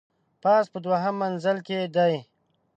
پاس په دوهم منزل کي دی .